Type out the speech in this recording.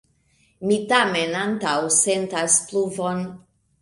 Mi tamen antaŭsentas pluvon.